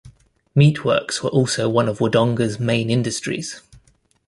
Meatworks were also one of Wodonga's main industries.